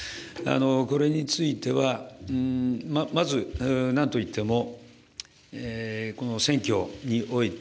これについては、まず、なんといってもこの選挙において、